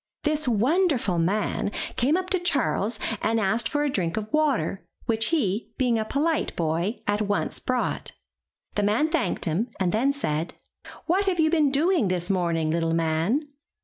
This wonder ful man came up to Charles and asked for a drink of water, which he, being a polite boy, at once brought. The man thanked him, and then said: *'What have you been doing this morning, little man?